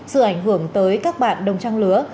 sự ảnh hưởng tới các bạn đồng trang lứa